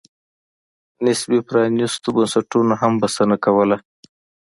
نسبي پرانېستو بنسټونو هم بسنه کوله.